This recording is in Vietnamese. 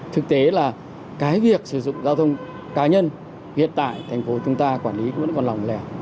thực tế là cái việc sử dụng giao thông cá nhân hiện tại thành phố chúng ta quản lý vẫn còn lòng lẻo